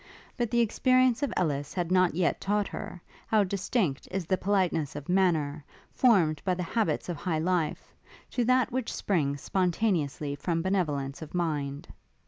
But the experience of Ellis had not yet taught her, how distinct is the politeness of manner, formed by the habits of high life, to that which springs spontaneously from benevolence of mind.